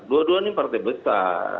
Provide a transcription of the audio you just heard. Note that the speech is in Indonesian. dua dua ini partai besar